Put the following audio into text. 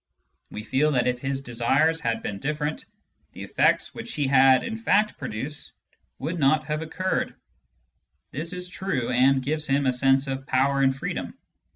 We feel that if his desires had been different, the effects which he in fact produced would not have occurred. This is true, and gives him a sense of power and freedom.